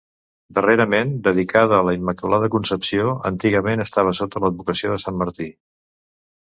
Darrerament dedicada a la Immaculada Concepció, antigament estava sota l'advocació de Sant Martí.